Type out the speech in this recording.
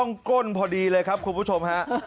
ล่องก้นพอดีเลยครับคุณผู้ชมครับ